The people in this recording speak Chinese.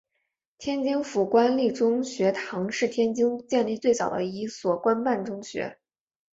天津府官立中学堂是天津建立最早的一所官办中学。